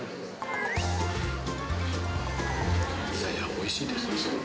おいしいです。